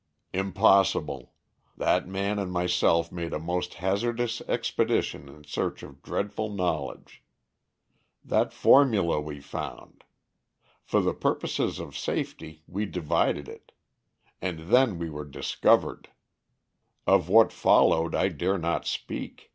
"Impossible. That man and myself made a most hazardous expedition in search of dreadful knowledge. That formula we found. For the purposes of safety, we divided it. And then we were discovered. Of what followed I dare not speak.